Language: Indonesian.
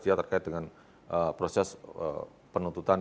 dia terkait dengan proses penuntutan